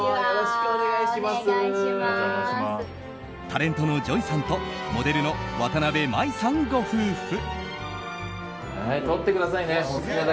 タレントのＪＯＹさんとモデルのわたなべ麻衣さんご夫婦。